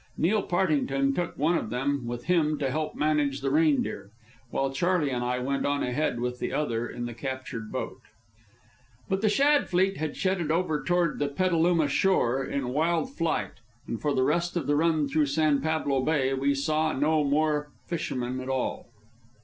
Neil Partington took one of them with him to help manage the Reindeer, while Charley and I went on ahead with the other in the captured boat. But the shad fleet had headed over toward the Petaluma shore in wild flight, and for the rest of the run through San Pablo Bay we saw no more fishermen at all.